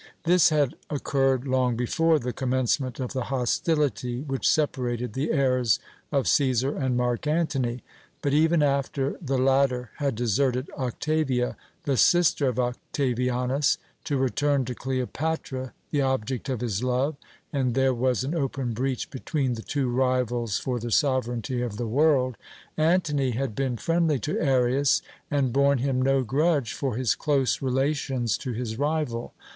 This had occurred long before the commencement of the hostility which separated the heirs of Cæsar and Mark Antony. But even after the latter had deserted Octavia, the sister of Octavianus, to return to Cleopatra, the object of his love, and there was an open breach between the two rivals for the sovereignty of the world, Antony had been friendly to Arius and borne him no grudge for his close relations to his rival.